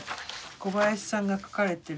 小林さんが書かれてる。